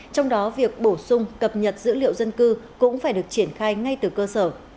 trong đó việc bổ sung cập nhật dữ liệu dân cư cũng phải được triển khai ngay từ cơ sở